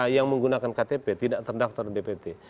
yang menggunakan ktp tidak terdaftar dpt